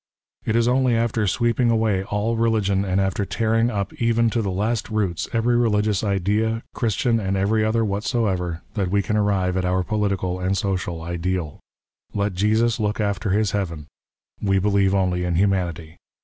" It is only after sweeping away all religion, and " after tearing up even to the last roots every religious " idea. Christian and every other whatsoever, that we can " arrive at our political and social ideal. " Let Jesus look after his heaven. We believe " only in humanity.